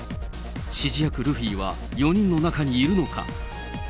指示役、ルフィは４人の中にいるのか。